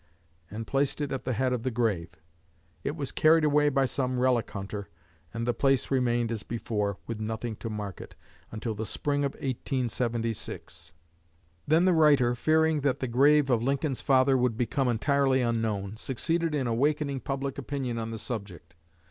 and placed it at the head of the grave. It was carried away by some relic hunter, and the place remained as before, with nothing to mark it, until the spring of 1876. Then the writer, fearing that the grave of Lincoln's father would become entirely unknown, succeeded in awakening public opinion on the subject.